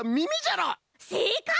せいかい！